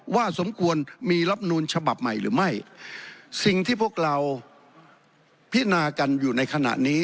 สมควรมีรับนูลฉบับใหม่หรือไม่สิ่งที่พวกเราพินากันอยู่ในขณะนี้